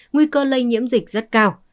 nguy cơ lây nhiễm dịch rất cao